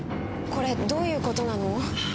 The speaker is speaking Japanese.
これどういう事なの？